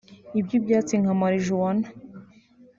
iby’ibyatsi nka marijuwana